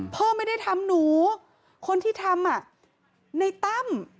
พ่อไม่ได้ทำหนูคนที่ทำในตั้ม